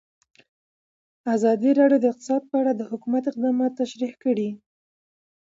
ازادي راډیو د اقتصاد په اړه د حکومت اقدامات تشریح کړي.